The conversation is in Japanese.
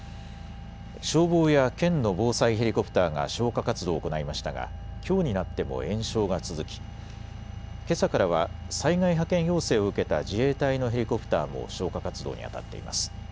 消防や県の防災ヘリコプターが消火活動を行いましたがきょうになっても延焼が続き、けさからは災害派遣要請を受けた自衛隊のヘリコプターも消火活動にあたっています。